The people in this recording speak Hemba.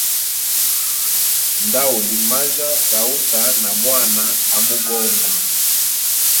Ndauli majya gauta na mwana amogongo.